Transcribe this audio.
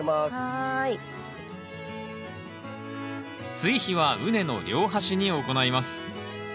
追肥は畝の両端に行います